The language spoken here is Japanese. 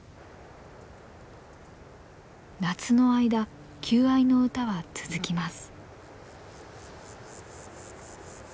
夏の間求愛の歌は続きます。